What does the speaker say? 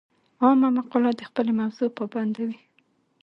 عامه مقاله د خپلې موضوع پابنده وي.